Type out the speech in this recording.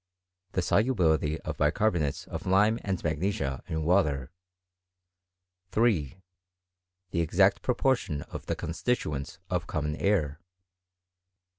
The solubility of bicarbonates of lime and magnesia in water. 3. The exact proportion of the constituent* of common air.